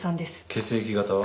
血液型は？